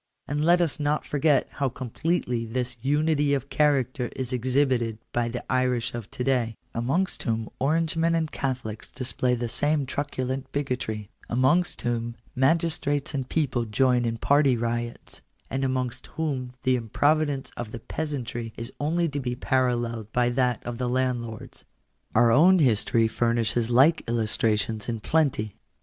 And let us not forget how completely this unity of character is exhibited by the Irish of to day, amongst whom Orangemen and Catholics display the same truculent bigotry; amongst whom magistrates and people join in party riots ; and amongst whom the improvidence of the peasantry is only to be paralleled by that of the landlords. Our own history furnishes like illustrations in plenty.